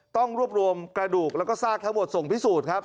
ต้องรวบรวมกระดูกแล้วก็ซากทั้งหมดส่งพิสูจน์ครับ